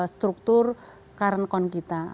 di dalam struktur current count kita